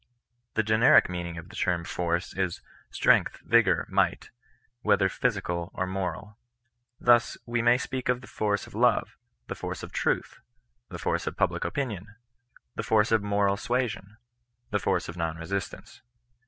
The generic mean ing of the term force is " strength, vigour, might," whe ther physical or moral. Thus we may speak of the force of love, the force of truth, the force of public opinion, the force of moral suasion, the force of non resistance.